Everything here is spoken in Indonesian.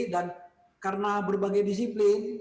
dan karena berbagai disiplin